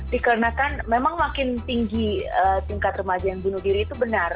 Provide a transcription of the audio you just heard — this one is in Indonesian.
dikarenakan memang makin tinggi tingkat remaja yang bunuh diri itu benar